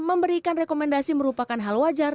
memberikan rekomendasi merupakan hal wajar